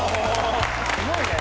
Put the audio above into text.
すごいね。